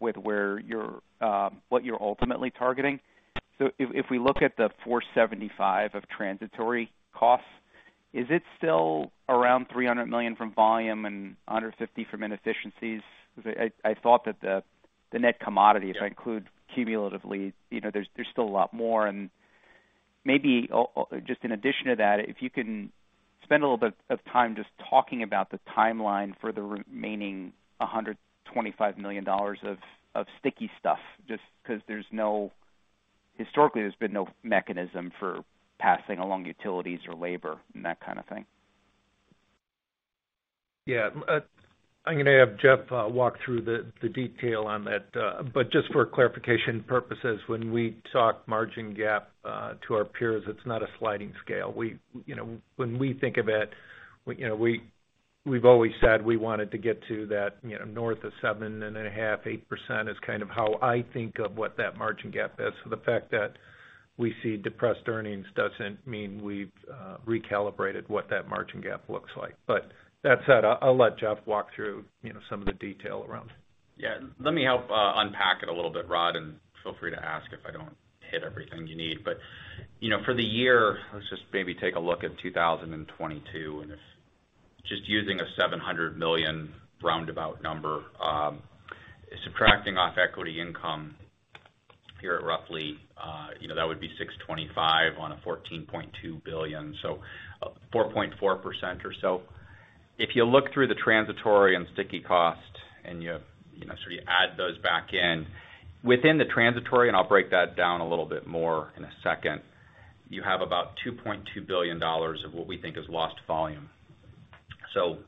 with where you're what you're ultimately targeting. If we look at the $475 million of transitory costs, is it still around $300 million from volume and $150 million from inefficiencies? Beause I thought that the net commodity, if I include cumulatively, you know, there's still a lot more. Just in addition to that, if you can spend a little bit of time just talking about the timeline for the remaining $125 million of sticky stuff, just because historically, there's been no mechanism for passing along utilities or labor and that kind of thing. Yeah. I'm gonna have Jeff walk through the detail on that. But just for clarification purposes, when we talk margin gap to our peers, it's not a sliding scale. You know, when we think of it, you know, we've always said we wanted to get to that, you know, north of 7.5%, 8% is kind of how I think of what that margin gap is. The fact that we see depressed earnings doesn't mean we've recalibrated what that margin gap looks like. That said, I'll let Jeff walk through, you know, some of the detail around it. Yeah. Let me help unpack it a little bit, Rod, and feel free to ask if I don't hit everything you need. You know, for the year, let's just maybe take a look at 2022. Just using a $700 million roundabout number, subtracting off equity income here at roughly, you know, that would be $625 million on a $14.2 billion, so 4.4% or so. If you look through the transitory and sticky cost and you know, sort of add those back in, within the transitory, and I'll break that down a little bit more in a second, you have about $2.2 billion of what we think is lost volume. $14.2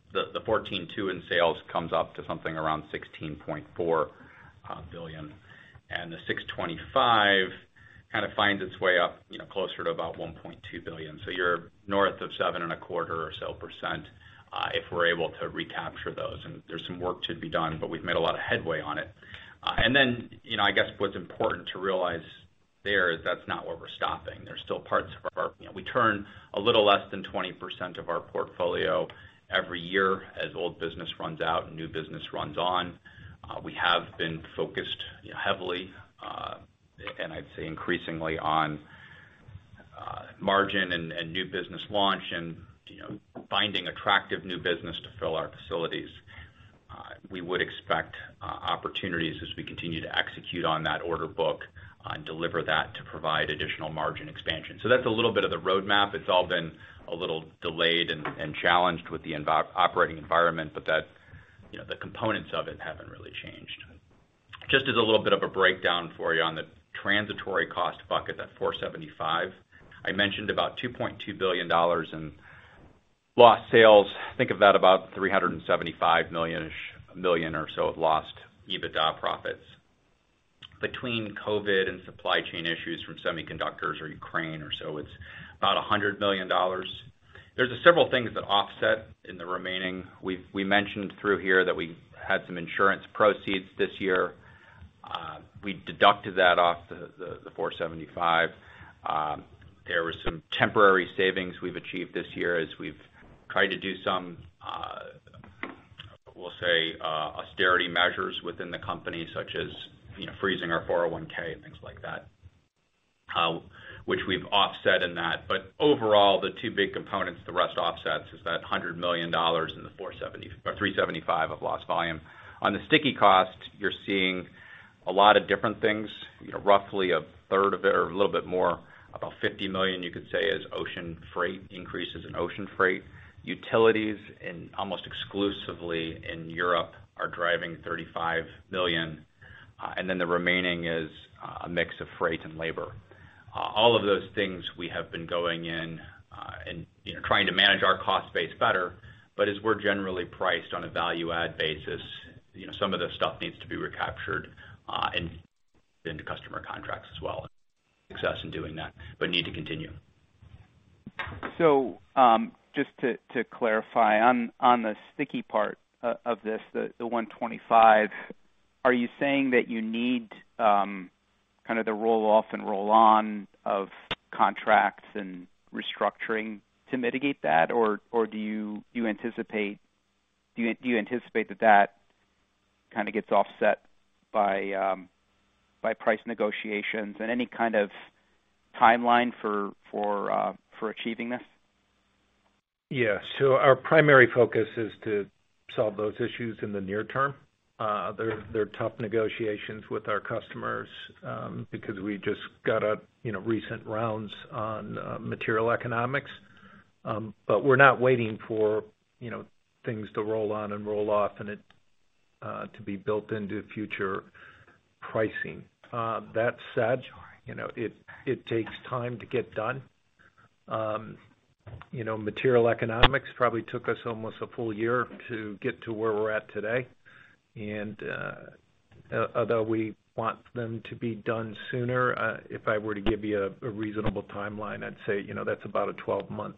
billion in sales comes up to something around $16.4 billion, and the 625 kind of finds its way up, you know, closer to about $1.2 billion. You're north of 7.25% or so if we're able to recapture those. There's some work to be done, but we've made a lot of headway on it. You know, I guess what's important to realize there is that's not where we're stopping. There's still parts of our portfolio. You know, we turn a little less than 20% of our portfolio every year as old business runs out and new business runs on. We have been focused, you know, heavily and I'd say increasingly on margin and new business launch and, you know, finding attractive new business to fill our facilities. We would expect opportunities as we continue to execute on that order book and deliver that to provide additional margin expansion. That's a little bit of the roadmap. It's all been a little delayed and challenged with the operating environment, but that, you know, the components of it haven't really changed. Just as a little bit of a breakdown for you on the transitory cost bucket, that $475, I mentioned about $2.2 billion in lost sales. Think of that about $375 million or so of lost EBITDA profits. Between COVID and supply chain issues from semiconductors or Ukraine or so, it's about $100 million. There's several things that offset in the remaining. We mentioned through here that we had some insurance proceeds this year. We deducted that off the $475. There was some temporary savings we've achieved this year as we've tried to do some, we'll say, austerity measures within the company, such as, you know, freezing our 401(k) and things like that, which we've offset in that. Overall, the two big components, the rest offsets, is that $100 million in the $470 million or $375 milion of lost volume. On the sticky cost, you're seeing a lot of different things. You know, roughly a 1/3 of it or a little bit more, about $50 million, you could say is ocean freight, increases in ocean freight. Utilities in, almost exclusively in Europe, are driving $35 million. Then the remaining is a mix of freight and labor. All of those things we have been going in and, you know, trying to manage our cost base better, but as we're generally priced on a value add basis, you know, some of this stuff needs to be recaptured and into customer contracts as well. Success in doing that, but need to continue. Just to clarify on the sticky part of this, the $125, are you saying that you need kind of the roll off and roll on of contracts and restructuring to mitigate that? Or do you anticipate that that kind of gets offset by price negotiations and any kind of timeline for achieving this? Yeah. Our primary focus is to solve those issues in the near term. They're tough negotiations with our customers, because we just got a you know recent rounds on material economics. We're not waiting for, you know, things to roll on and roll off and it to be built into future pricing. That said, you know, it takes time to get done. You know, material economics probably took us almost a full-year to get to where we're at today. Although we want them to be done sooner, if I were to give you a reasonable timeline, I'd say, you know, that's about a 12-month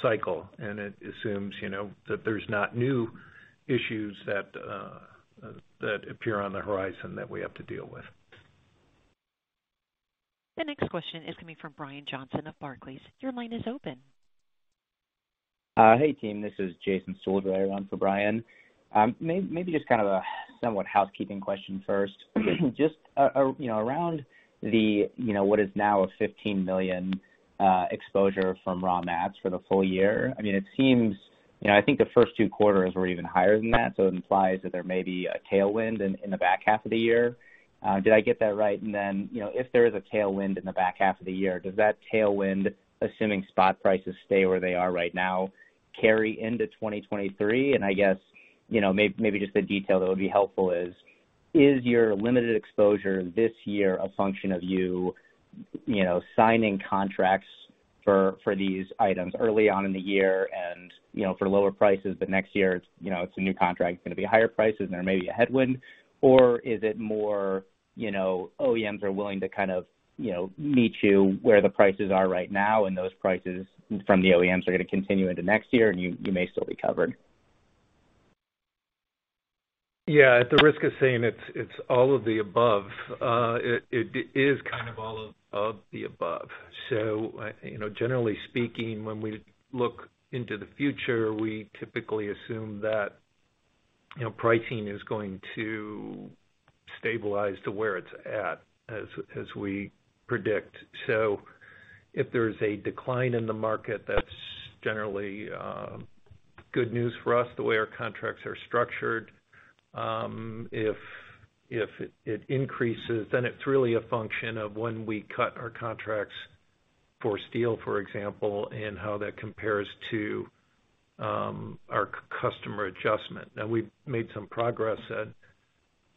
cycle. It assumes, you know, that there's not new issues that appear on the horizon that we have to deal with. The next question is coming from Brian Johnson of Barclays. Your line is open. Hey, team. This is James Picariello on for Brian. Maybe just kind of a somewhat housekeeping question first. Just, you know, around the, you know, what is now a $15 million exposure from raw mats for the full-year. I mean, it seems, you know, I think the first two quarters were even higher than that, so it implies that there may be a tailwind in the back half of the year. Did I get that right? Then, you know, if there is a tailwind in the back half of the year, does that tailwind, assuming spot prices stay where they are right now, carry into 2023? I guess, you know, maybe just a detail that would be helpful is your limited exposure this year a function of you know, signing contracts for these items early on in the year and, you know, for lower prices, but next year, you know, it's a new contract, it's gonna be higher prices and there may be a headwind? Or is it more, you know, OEMs are willing to kind of, you know, meet you where the prices are right now and those prices from the OEMs are gonna continue into next year and you may still be covered? Yeah. At the risk of saying it's all of the above, it is kind of all of the above. You know, generally speaking, when we look into the future, we typically assume that, you know, pricing is going to stabilize to where it's at as we predict. If there's a decline in the market, that's generally good news for us the way our contracts are structured. If it increases, then it's really a function of when we cut our contracts for steel, for example, and how that compares to our customer adjustment. Now, we've made some progress at,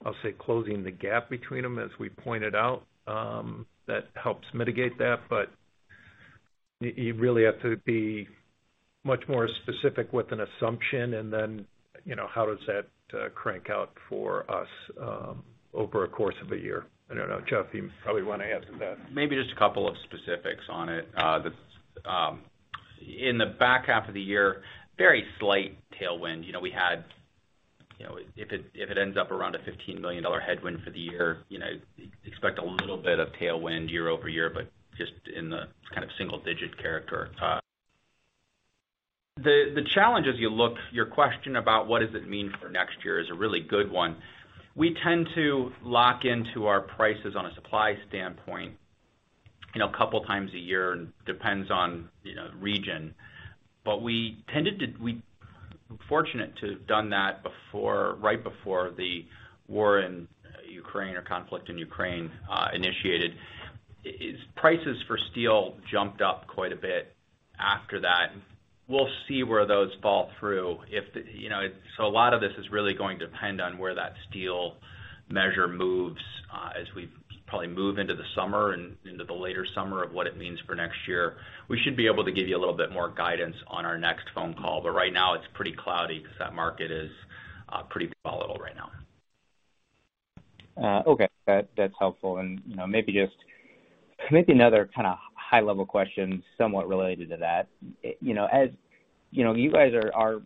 I'll say, closing the gap between them, as we pointed out. That helps mitigate that. You really have to be much more specific with an assumption and then, you know, how does that crank out for us over a course of a year. I don't know. Jeff, you probably wanna add to that. Maybe just a couple of specifics on it. In the back half of the year, very slight tailwind. You know, if it ends up around a $15 million headwind for the year, you know, expect a little bit of tailwind year-over-year, but just in the kind of single digit character. The challenge as you look, your question about what does it mean for next year is a really good one. We tend to lock into our prices on a supply standpoint, you know, a couple times a year and depends on, you know, region. We fortunate to have done that before, right before the war in Ukraine or conflict in Ukraine, initiated. Steel prices for steel jumped up quite a bit after that. We'll see where those flow through. A lot of this is really going to depend on where that steel measure moves, as we probably move into the summer and into the later summer of what it means for next year. We should be able to give you a little bit more guidance on our next phone call, but right now it's pretty cloudy because that market is pretty volatile right now. Okay. That's helpful. You know, maybe just another kinda high level question somewhat related to that. You know, as you know, you guys are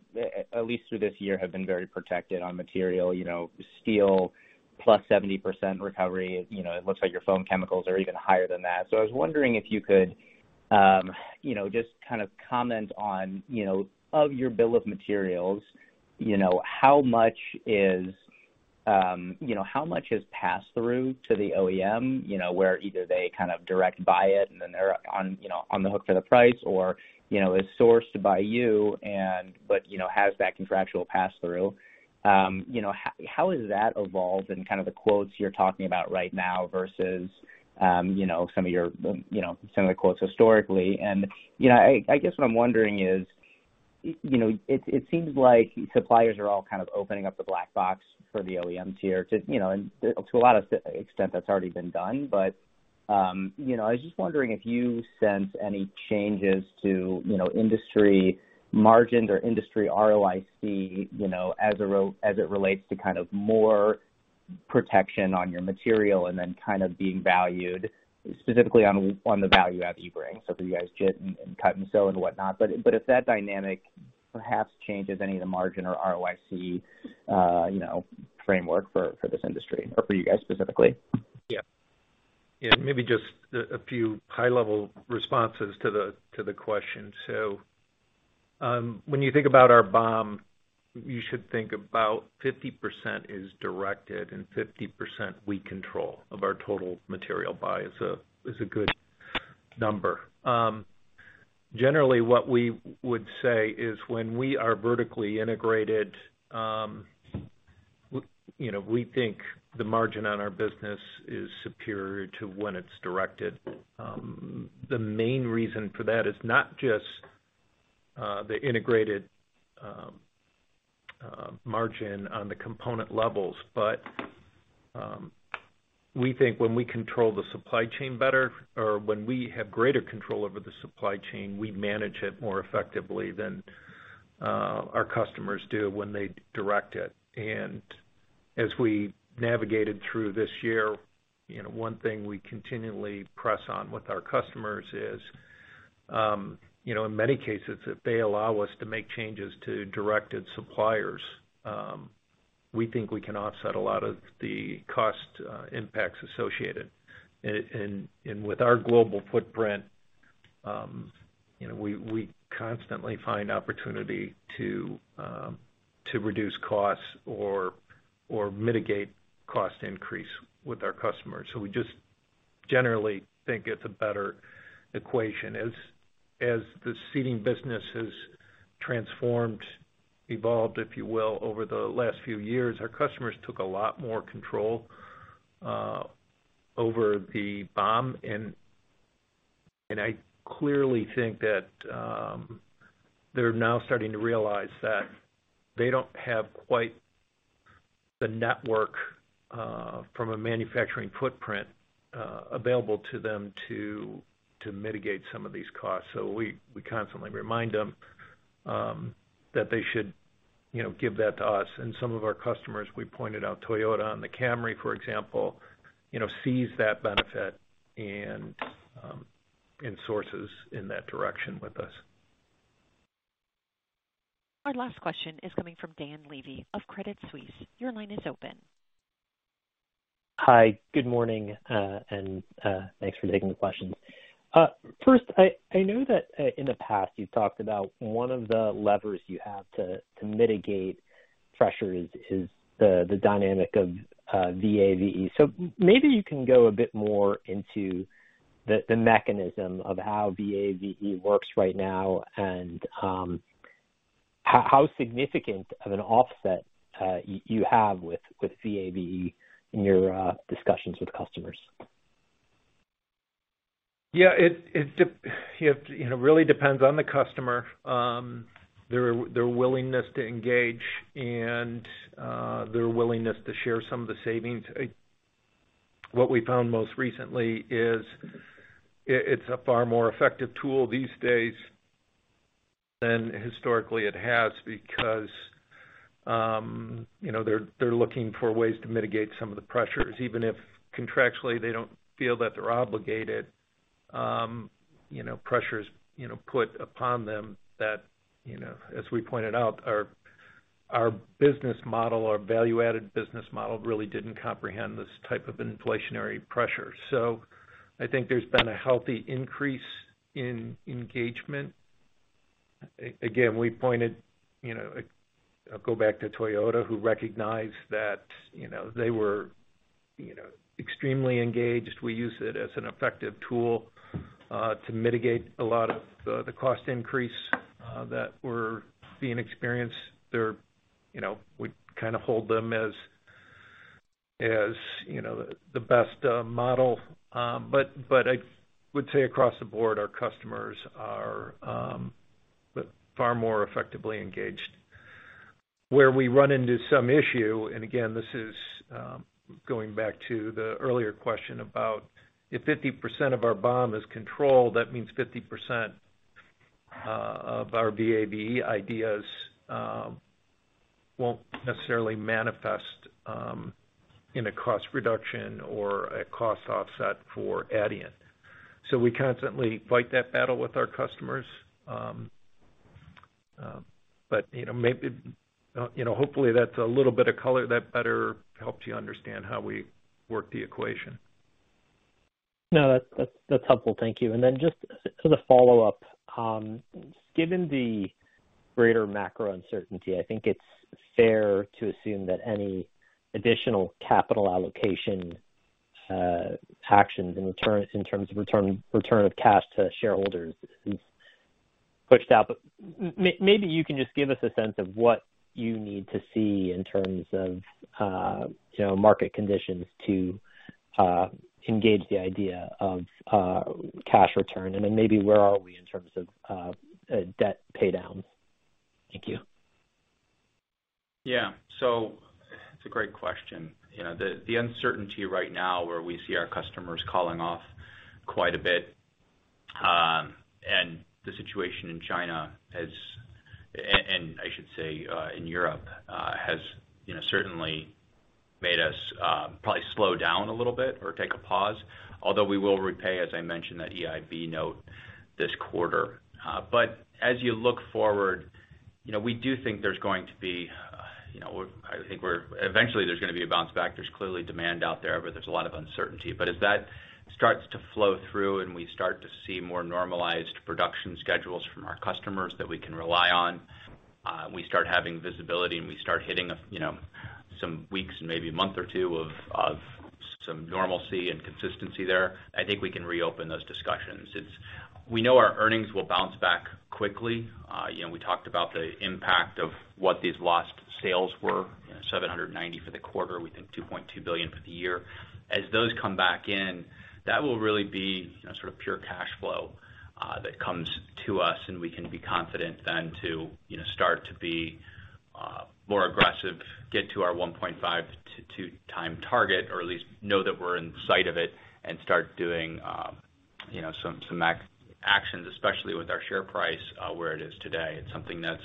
at least through this year have been very protected on material, you know, steel plus 70% recovery. You know, it looks like your foam chemicals are even higher than that. I was wondering if you could just kind of comment on your bill of materials, you know, how much is passed through to the OEM, you know, where either they kind of direct buy it and then they're on the hook for the price or is sourced by you but has that contractual pass through. You know, how has that evolved and kind of the quotes you're talking about right now versus, you know, some of your, you know, some of the quotes historically. You know, I guess what I'm wondering is, you know, it seems like suppliers are all kind of opening up the black box for the OEM tier to, you know, and to a lot of extent that's already been done. You know, I was just wondering if you sense any changes to, you know, industry margins or industry ROIC, you know, as it relates to kind of more protection on your material and then kind of being valued specifically on the value you bring. For you guys, JIT and cut and sew and whatnot. But if that dynamic perhaps changes any of the margin or ROIC, you know, framework for this industry or for you guys specifically. Maybe just a few high-level responses to the question. When you think about our BOM, you should think about 50% is directed and 50% we control of our total material buy is a good number. Generally, what we would say is when we are vertically integrated, you know, we think the margin on our business is superior to when it's directed. The main reason for that is not just the integrated margin on the component levels, but we think when we control the supply chain better or when we have greater control over the supply chain, we manage it more effectively than our customers do when they direct it. As we navigated through this year, you know, one thing we continually press on with our customers is, you know, in many cases, if they allow us to make changes to directed suppliers, we think we can offset a lot of the cost impacts associated. And with our global footprint, you know, we constantly find opportunity to reduce costs or mitigate cost increase with our customers. We just generally think it's a better equation. The seating business has transformed, evolved, if you will, over the last few years, our customers took a lot more control over the BOM. I clearly think that, they're now starting to realize that they don't have quite the network from a manufacturing footprint available to them to mitigate some of these costs. We constantly remind them that they should, you know, give that to us. Some of our customers, we pointed out Toyota and the Camry, for example, you know, sees that benefit and sources in that direction with us. Our last question is coming from Dan Levy of Credit Suisse. Your line is open. Hi. Good morning. Thanks for taking the questions. First, I know that in the past you've talked about one of the levers you have to mitigate pressure is the dynamic of VAVE. Maybe you can go a bit more into the mechanism of how VAVE works right now and how significant of an offset you have with VAVE in your discussions with customers. You know, it really depends on the customer, their willingness to engage and their willingness to share some of the savings. What we found most recently is it's a far more effective tool these days than historically it has because you know, they're looking for ways to mitigate some of the pressures, even if contractually they don't feel that they're obligated, you know, pressures put upon them that, you know. As we pointed out, our business model, our value-added business model really didn't comprehend this type of inflationary pressure. I think there's been a healthy increase in engagement. Again, we pointed, you know, I'll go back to Toyota who recognized that, you know, they were extremely engaged. We use it as an effective tool to mitigate a lot of the cost increase that we're experiencing. You know, we kind of hold them as you know, the best model. I would say across the board, our customers are far more effectively engaged. Where we run into some issue, and again, this is going back to the earlier question about if 50% of our BOM is controlled, that means 50% of our VAVE ideas won't necessarily manifest in a cost reduction or a cost offset for Adient. We constantly fight that battle with our customers. You know, maybe, you know, hopefully that's a little bit of color that better helps you understand how we work the equation. No, that's helpful. Thank you. Then just sort of follow-up. Given the greater macro uncertainty, I think it's fair to assume that any additional capital allocation actions in terms of return of cash to shareholders is pushed out. Maybe you can just give us a sense of what you need to see in terms of, you know, market conditions to engage the idea of cash return, and then maybe where are we in terms of debt paydowns. Thank you. It's a great question. The uncertainty right now where we see our customers calling off quite a bit, and the situation in China and in Europe has certainly made us probably slow down a little bit or take a pause. Although we will repay, as I mentioned, that EIB note this quarter. As you look forward, we do think there's going to be a bounce back. There's clearly demand out there, but there's a lot of uncertainty. As that starts to flow through and we start to see more normalized production schedules from our customers that we can rely on, we start having visibility, and we start hitting, you know, some weeks and maybe a month or two of some normalcy and consistency there, I think we can reopen those discussions. We know our earnings will bounce back quickly. You know, we talked about the impact of what these lost sales were, $790 million for the quarter. We think $2.2 billion for the year. As those come back in, that will really be, you know, sort of pure cash flow that comes to us, and we can be confident then to, you know, start to be more aggressive, get to our 1.5x-2x target or at least know that we're in sight of it and start doing some actions, especially with our share price where it is today. It's something that's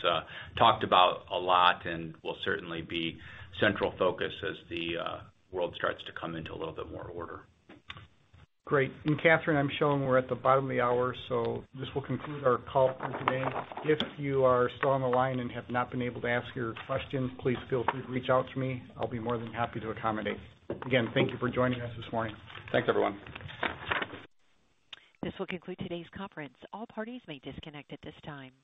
talked about a lot and will certainly be central focus as the world starts to come into a little bit more order. Great. Catherine, I'm showing we're at the bottom of the hour, so this will conclude our call for today. If you are still on the line and have not been able to ask your question, please feel free to reach out to me. I'll be more than happy to accommodate. Again, thank you for joining us this morning. Thanks, everyone. This will conclude today's conference. All parties may disconnect at this time.